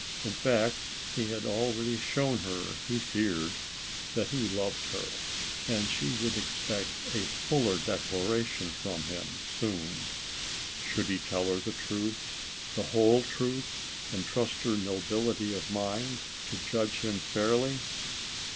In fact he had already shown her, he feared, that he loved her, and she would expect a fuller declaration from him, soon. Should he tell her the truth, the whole truth, and trust her nobility of mind to judge him fairly?